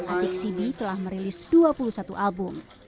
atik sibi telah merilis dua puluh satu album